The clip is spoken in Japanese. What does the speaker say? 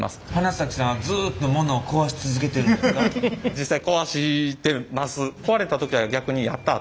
実際壊してます。